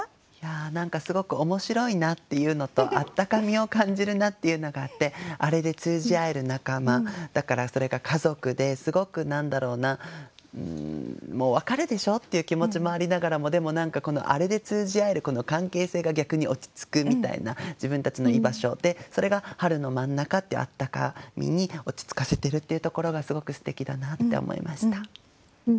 何かすごく面白いなっていうのとあったかみを感じるなっていうのがあって「あれ」で通じ合える仲間だからそれが家族ですごく何だろうなもう分かるでしょっていう気持ちもありながらもでも「あれ」で通じ合えるこの関係性が逆に落ち着くみたいな自分たちの居場所でそれが「春の真ん中」っていうあったかみに落ち着かせているっていうところがすごくすてきだなって思いました。